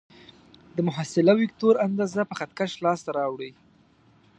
د محصله وکتور اندازه په خط کش لاس ته راوړئ.